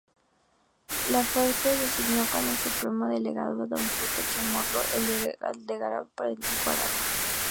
La suerte designó como Supremo Delegado a don Fruto Chamorro, el delegado por Nicaragua.